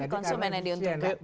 konsumen yang diuntungkan